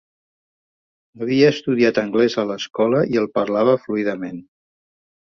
Havia estudiat anglès a l'escola i el parlava fluidament.